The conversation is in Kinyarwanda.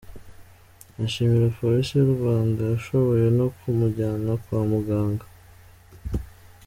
Ashimira Polisi y’u Rwanda yashoboye no kumujyana kwa muganga.